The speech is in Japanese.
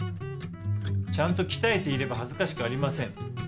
ちゃんときたえていればはずかしくありません。